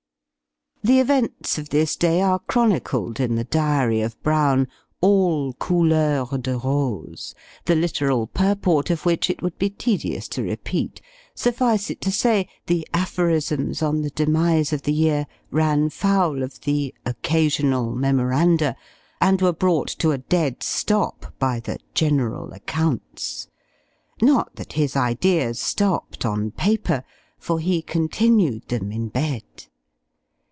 The events of this day are chronicled in the Diary of Brown all couleur de rose, the literal purport of which it would be tedious to repeat; suffice it to say, the aphorisms on the demise of the year ran foul of the "occasional memoranda," and were brought to a dead stop by the "general accounts;" not that his ideas stopped on paper, for he continued them in bed.